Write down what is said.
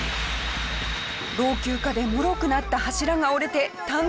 老朽化でもろくなった柱が折れてタンクが倒壊！